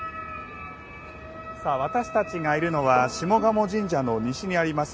さあ私たちがいるのは下鴨神社の西にあります